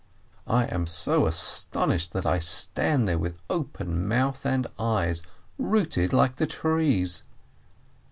I am so astonished that I stand there with open mouth and eyes, rooted like the trees.